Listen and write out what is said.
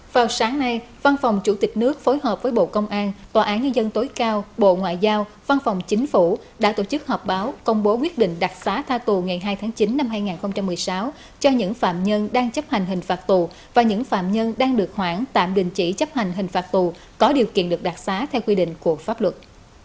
vào sáng nay văn phòng chủ tịch nước phối hợp với bộ công an tòa án nhân dân tối cao bộ ngoại giao văn phòng chính phủ đã tổ chức họp báo công bố quyết định đặc xá tha tù ngày hai tháng chín năm hai nghìn một mươi sáu cho những phạm nhân đang chấp hành hình phạt tù và những phạm nhân đang được hưởng tạm đình chỉ chấp hành hình phạt tù có điều kiện được đặc xá theo quy định của pháp luật